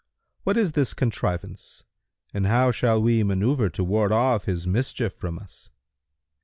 What is this contrivance and how shall we manњuvre to ward off his mischief from us?